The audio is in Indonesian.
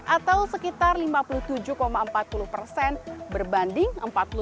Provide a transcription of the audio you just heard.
atau sekitar lima puluh tujuh empat puluh berbanding empat puluh dua enam puluh